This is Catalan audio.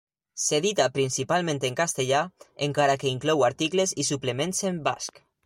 S'edita principalment en castellà, encara que inclou articles i suplements en basc.